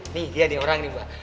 nih dia nih orang ini mba